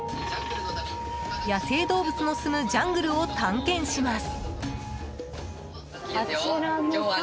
野生動物のすむジャングルを探検します。